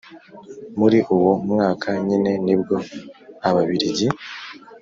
Muri uwo mwaka nyine nibwo Ababiligi